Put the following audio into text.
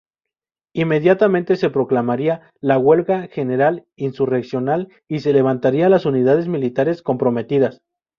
Inmediatamente se proclamaría la huelga general insurreccional y se levantarían las unidades militares comprometidas.